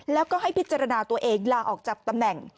แล้วก็ให้พิจารณาตัวเองลาออกจากตำแหน่ง